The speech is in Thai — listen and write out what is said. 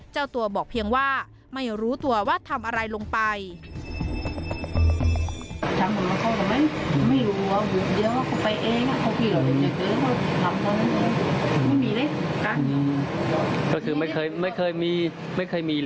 เจ้าตัวบอกเพียงว่าไม่รู้ตัวว่าทำอะไรลงไป